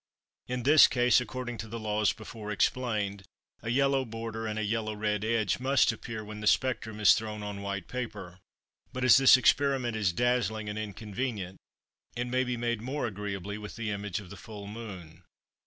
In this case, according to the laws before explained, a yellow border and a yellow red edge must appear when the spectrum is thrown on white paper. But as this experiment is dazzling and inconvenient, it may be made more agreeably with the image of the full moon.